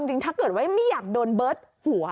ถ้าเกิดว่าไม่อยากโดนเบิร์ตหัว